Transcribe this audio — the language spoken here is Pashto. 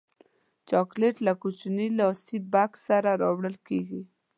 چاکلېټ له کوچني لاسي بکس سره راوړل کېږي.